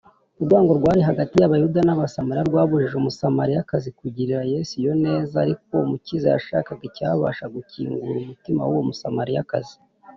Urwangano rwari hagati y’Abayuda n’Abanyasamariya rwabujije Umunyasamariyakazi kugirira Yesu iyo neza; ariko Umukiza yashakaga icyabasha gukingura umutima w’uwo Musamariyakazi